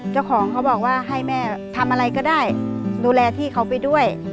เจ้าของเขาบอกว่าให้แม่ทำอะไรก็ได้ดูแลพี่เขาไปด้วย